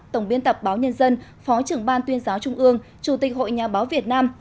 tổng biên tập báo nhân dân phó trưởng ban tuyên giáo trung ương chủ tịch hội nhà báo việt nam